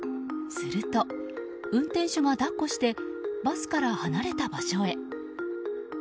すると、運転手が抱っこしてバスから離れた場所へ。